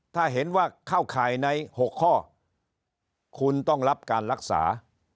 ถ้าเห็นว่าเข้าข่ายใน๖ข้อคุณต้องรับการรักษา